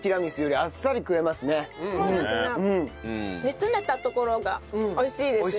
煮詰めたところが美味しいです。